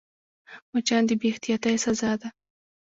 مچان د بې احتیاطۍ سزا ده